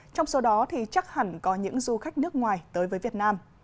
trong số đó thì chắc hẳn có những du khách nước ngoài tới với việt nam